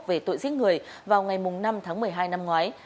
về tội giết người vào ngày năm tháng một mươi hai năm ngoái